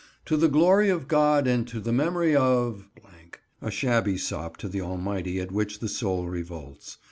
"To the Glory of God and to the memory of —," a shabby sop to the Almighty at which the soul revolts.